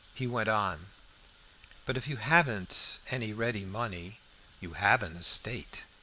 He went on "But if you haven't any ready money, you have an estate."